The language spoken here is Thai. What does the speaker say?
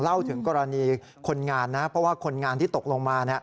เล่าถึงกรณีคนงานนะเพราะว่าคนงานที่ตกลงมา